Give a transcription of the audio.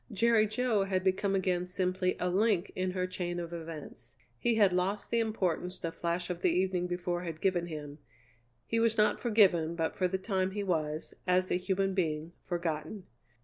Jerry Jo had become again simply a link in her chain of events; he had lost the importance the flash of the evening before had given him; he was not forgiven, but for the time he was, as a human being, forgotten.